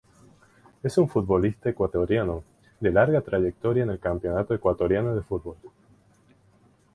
Es un futbolista ecuatoriano de larga trayectoria en el Campeonato Ecuatoriano de Fútbol.